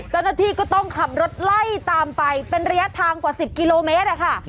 เจ้าหน้าที่ก็ต้องขับรถไล่ตามไปเป็นระยะทางกว่า๑๐กิโลเมตรค่ะ